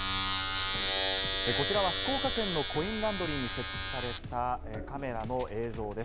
こちらは福岡県のコインランドリーに設置されたカメラの映像です。